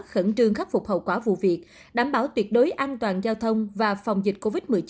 khẩn trương khắc phục hậu quả vụ việc đảm bảo tuyệt đối an toàn giao thông và phòng dịch covid một mươi chín